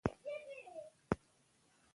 دا جوړه په لوړه کچه پاتې شوه؛